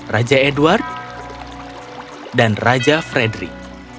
raja edward dan raja frederick